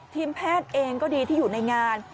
ทีมแพทย์เองก็ดีที่อยู่ในงาน